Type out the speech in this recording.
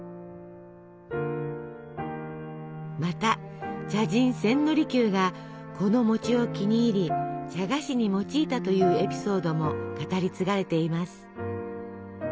また茶人千利休がこの餅を気に入り茶菓子に用いたというエピソードも語り継がれています。